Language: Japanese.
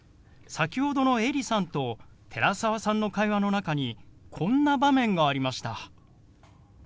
先ほどのエリさんと寺澤さんの会話の中にこんな場面がありました。